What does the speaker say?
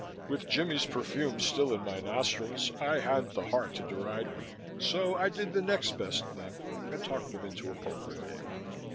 With Jimmie's perfume still in my nostrils, I hadn't the heart to deride them, so I did the next best thing and talked them into a poker game.